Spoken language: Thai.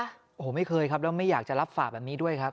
โอ้โหไม่เคยครับแล้วไม่อยากจะรับฝากแบบนี้ด้วยครับ